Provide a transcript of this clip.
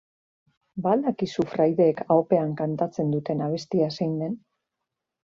Ba al dakizu fraideek ahopean kantatzen duten abestia zein den?